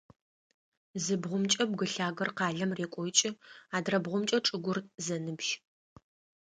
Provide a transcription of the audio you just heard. Зы бгъумкӏэ бгы лъагэр къалэм рекӏокӏы, адрэбгъумкӏэ чӏыгур зэныбжь.